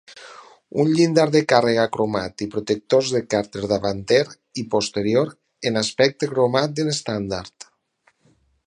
Un llindar de càrrega cromat i protectors de càrter davanter i posterior amb aspecte cromat en estàndard.